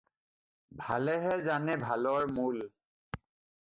ভালেহে জানে ভালৰ মোল ।